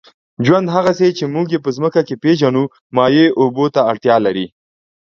ژوند، هغسې چې موږ یې په مځکه کې پېژنو، مایع اوبو ته اړتیا لري.